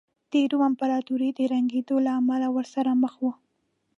د روم امپراتورۍ د ړنګېدو له امله ورسره مخ وه